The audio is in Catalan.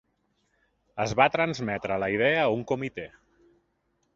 Es va transmetre la idea a un comitè.